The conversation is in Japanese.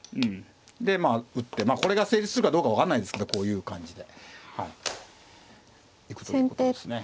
でまあ打ってこれが成立するかどうかは分かんないですけどこういう感じで行くということですね。